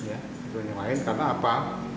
aturan yang lain karena apa